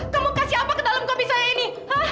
kamu kasih apa ke dalam kopi saya ini